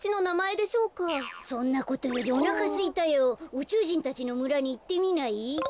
うちゅうじんたちのむらにいってみない？